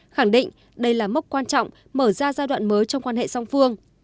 khẳng định đây là mốc quan trọng mở ra giai đoạn mới trong quan hệ song phương